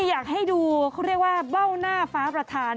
อยากให้ดูเขาเรียกว่าเบ้าหน้าฟ้าประธาน